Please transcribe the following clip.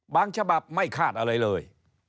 ฉบับไม่คาดอะไรเลย